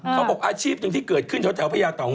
เขาบอกอาชีพหนึ่งที่เกิดขึ้นช้าวแถวพระยาเต๋าง้อย